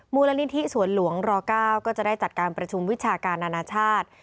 มูลนิธิสวนหลวงร๙ก็จะได้จัดการประชุมวิชาการอนาชาติ